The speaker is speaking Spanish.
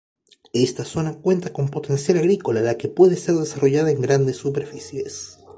Esta zona cuenta con potencial agrícola la que puede ser desarrollada en grandes superficies.